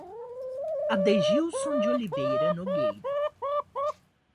Adegilson de Oliveira Nogueira